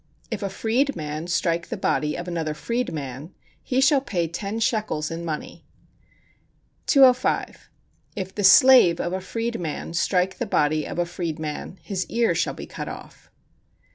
If a freed man strike the body of another freed man, he shall pay ten shekels in money. 205. If the slave of a freed man strike the body of a freed man, his ear shall be cut off.